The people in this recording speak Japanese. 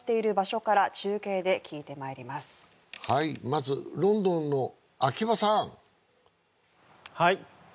まずロンドンの場さんはい